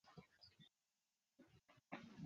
এই ইউনিভার্সের তুমি কিছুই জানো না!